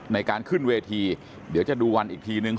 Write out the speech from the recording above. ในการขึ้นเวทีเดี๋ยวจะดูวันอีกทีนึง